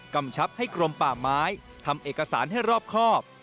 กำชับให้กรมป่าไม้ทำเอกสารให้รอบครอบ